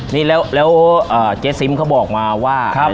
นี่แล้วเจ๊ซิมเขาบอกมาว่า